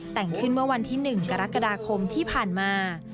แต่งขึ้นเมื่อวันที่๑กรกฎาคมที่ผ่านมา